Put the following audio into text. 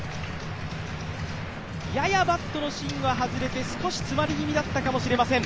ややバットの芯は外れて少し詰まり気味だったかもしれません。